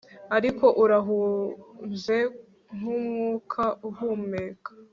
Ariko urahunze nkumwuka uhumeka